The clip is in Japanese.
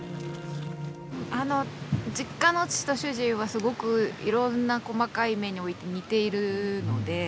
あの実家の父と主人はすごくいろんな細かい面において似ているので。